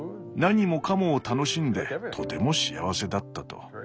何もかもを楽しんでとても幸せだったと。